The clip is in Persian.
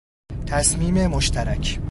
تصمیم مشترک